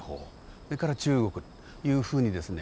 それから中国というふうにですね